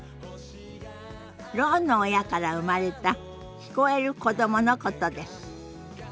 ろうの親から生まれた聞こえる子どものことです。